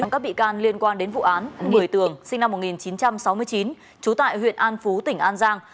trong các bị can liên quan đến vụ án một mươi tường sinh năm một nghìn chín trăm sáu mươi chín chú tại huyện an phú tỉnh an giang